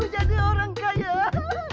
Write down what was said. jadi orang kaya